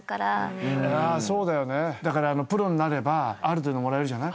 だからプロになればある程度もらえるじゃない。